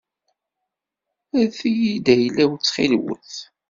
Rret-iyi-d ayla-w ttxil-wet.